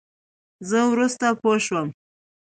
زه ورورسته پوشوم.